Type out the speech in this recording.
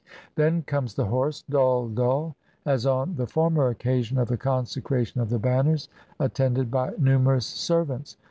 Then comes the horse — Dhull dhull — as on the former occasion of the consecration of the banners, at tended by numerous servants.